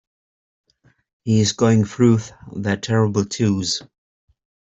He's going through the terrible two's!.